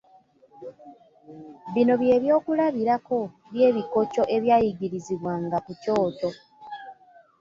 Bino by'ebyokulabirako by'ebikokyo ebyayigirizibwanga ku kyoto.